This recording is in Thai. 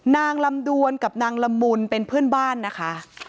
นางลำดวนกับนางละมุนเป็นเพื่อนบ้านนะคะ